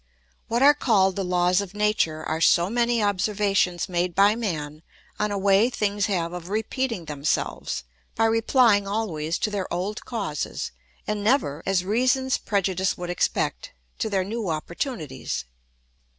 ] What are called the laws of nature are so many observations made by man on a way things have of repeating themselves by replying always to their old causes and never, as reason's prejudice would expect, to their new opportunities.